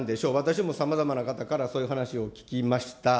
私もさまざまな方からそういう話を聞きました。